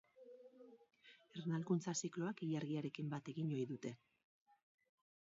Ernalkuntza zikloak ilargiarekin bat egin ohi dute.